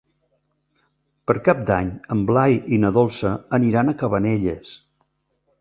Per Cap d'Any en Blai i na Dolça aniran a Cabanelles.